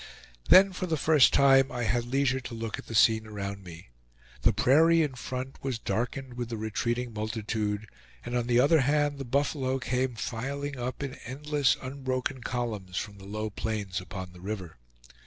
Then for the first time I had leisure to look at the scene around me. The prairie in front was darkened with the retreating multitude, and on the other hand the buffalo came filing up in endless unbroken columns from the low plains upon the river.